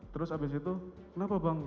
terus abis itu kenapa bang